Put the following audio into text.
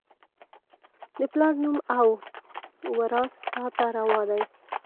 د پلار نوم او، وراث تا ته روا دي